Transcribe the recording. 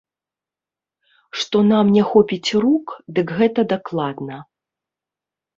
Што нам не хопіць рук, дык гэта дакладна.